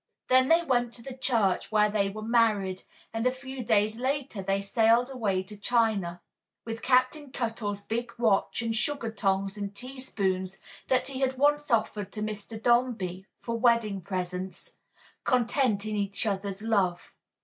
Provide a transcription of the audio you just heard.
Then they went to the church, where they were married, and a few days later they sailed away to China (with Captain Cuttle's big watch and sugar tongs and teaspoons, that he had once offered to Mr. Dombey, for wedding presents), content in each other's love.